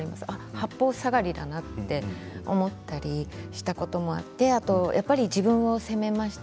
八方ふさがりだなと思ったりしたこともあってやっぱり自分を責めました。